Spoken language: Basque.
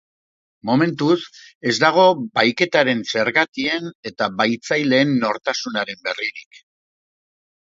Momentuz, ez dago bahiketaren zergatien eta bahitzaileen nortasunaren berririk.